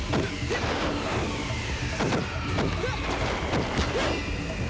dasar siluman kau